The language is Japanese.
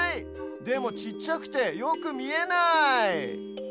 でもちっちゃくてよくみえない！